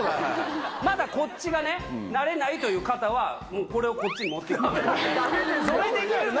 まだこっちが慣れないという方これをこっちに持って来て。